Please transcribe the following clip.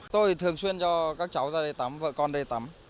tôi thường xuyên cho các cháu ra đây tắm vợ con đây tắm